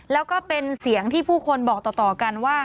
แล้วก็เป็นเสียงที่ผู้คนบอกต่อกันว่า